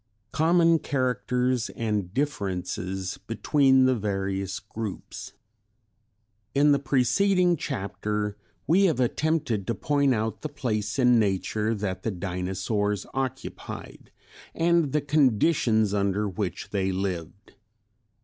COMMON CHARACTERS AND DIFFERENCES BETWEEN THE VARIOUS GROUPS. In the preceding chapter we have attempted to point out the place in nature that the Dinosaurs occupied and the conditions under which they lived.